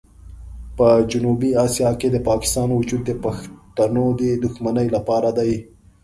په جنوبي اسیا کې د پاکستان وجود د پښتنو د دښمنۍ لپاره دی.